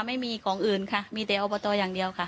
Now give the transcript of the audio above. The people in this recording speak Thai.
ไม่มีของอื่นค่ะมีแต่อบตอย่างเดียวค่ะ